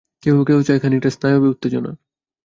কেহ কেহ চায় খানিকটা স্নায়বীয় উত্তেজনা।